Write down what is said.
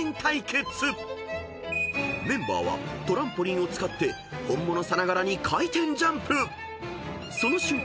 ［メンバーはトランポリンを使って本物さながらに回転ジャンプ］